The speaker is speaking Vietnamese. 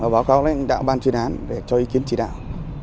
báo cáo lên đảng ban chuyên án để cho ý kiến chỉ đạo